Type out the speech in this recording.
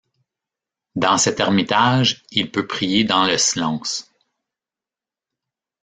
Dans cet ermitage, il peut prier dans le silence.